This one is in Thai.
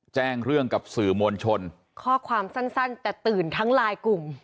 แจ้งเรื่องกับสื่อมวลชนข้อความสั้นแต่ตื่นทั้งหลายกลุ่ม